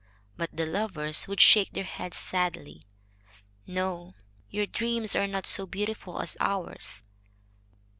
But the lovers would shake their heads sadly. "No, your dreams are not so beautiful as ours.